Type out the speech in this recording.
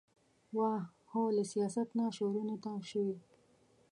واه ! هو له سياست نه شعرونو ته شوې ،